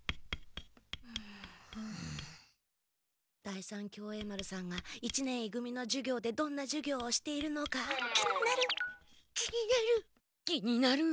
第三協栄丸さんが一年い組の授業でどんな授業をしているのか気になる。